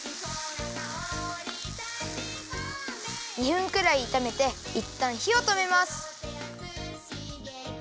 ２分くらいいためていったんひをとめます。